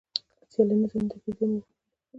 سیلاني ځایونه د طبیعي زیرمو یوه مهمه برخه ده.